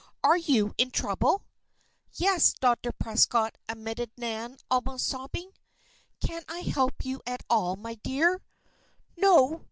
"Are you in trouble?" "Yes, Dr. Prescott," admitted Nan, almost sobbing. "Can I help you at all, my dear?" "No!